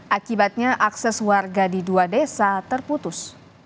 akibatnya akses warga di dua desa terputus